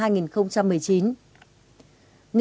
nghị định ba mươi năm